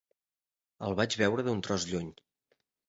El vaig veure d'un tros lluny.